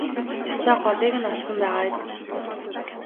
Ёстой голыг нь олсон байгаа биз?